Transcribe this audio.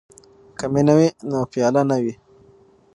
که مینه وي نو پیاله نه وي.